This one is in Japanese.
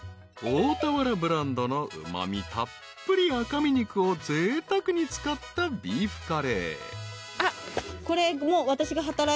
［大田原ブランドのうま味たっぷり赤身肉をぜいたくに使ったビーフカレー］あっ。